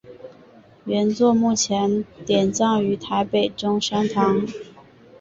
原作目前典藏于台北中山堂。